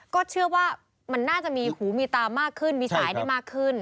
ก็เชื่อว่ามันน่าจะมีหูมีตามากขึ้นมีสายได้มากขึ้น